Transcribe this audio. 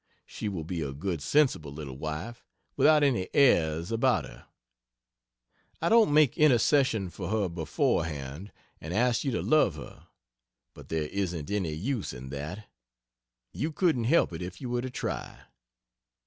She will be a good sensible little wife, without any airs about her. I don't make intercession for her beforehand and ask you to love her, for there isn't any use in that you couldn't help it if you were to try.